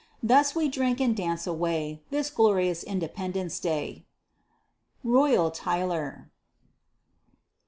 Thus we drink and dance away, This glorious INDEPENDENCE DAY! ROYALL TYLER.